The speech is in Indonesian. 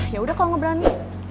ya udah kalau gak berani